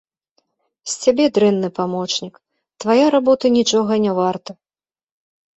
З цябе дрэнны памочнік, твая работа нічога не варта.